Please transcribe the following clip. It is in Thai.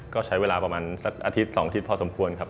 ก็ใช้เวลาประมาณสักอาทิตย์๒อาทิตย์พอสมควรครับ